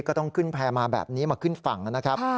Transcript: ก็ต้องขึ้นแพร่มาแบบนี้มาขึ้นฝั่งนะครับ